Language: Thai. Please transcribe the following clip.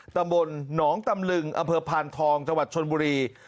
ตำบลหนองตำลึงอำเภอพานทองจังหวัดชนบุรี